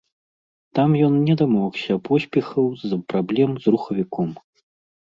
Там ён не дамогся поспехаў з-за праблем з рухавіком.